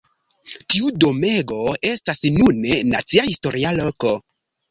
Tiu domego estas nune Nacia Historia Loko.